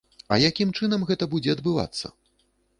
А якім чынам гэта будзе адбывацца?